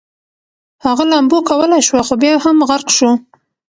هغه لامبو کولی شوه خو بیا هم غرق شو